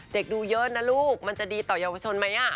เด็กดูเยอะนะลูกมันจะดีต่อยาววชนมั้ยน่ะ